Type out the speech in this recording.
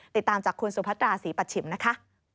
ติดตามจากคุณสุพัตราศรีปัชชิมนะคะ